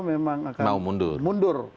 memang akan mundur